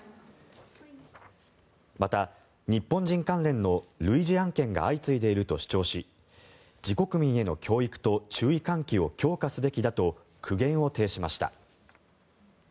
また、日本人関連の類似案件が相次いでいると主張し自国民への教育と注意喚起を強化すべきだと苦言を呈しました。